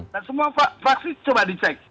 dan semua fraksi coba dicek